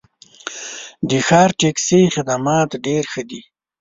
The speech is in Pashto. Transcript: د ښار ټکسي خدمات ډېر ښه دي.